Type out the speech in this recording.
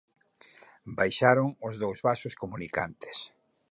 Baixaron os dous vasos comunicantes.